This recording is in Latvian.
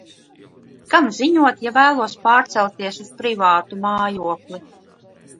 Kam ziņot, ja vēlos pārcelties uz privātu mājokli?